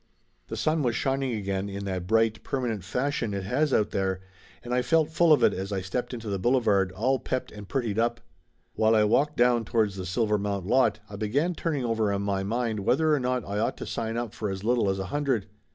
The sun was shining again, in that bright, permanent fashion it has out there, and I felt full of it as I stepped into the boulevard, all pepped and prettied up. While I walked down towards the Silvermount lot I began turning over in my mind whether or not I ought to sign up for as little as a hundred?